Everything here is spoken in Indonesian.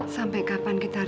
memang harus didapati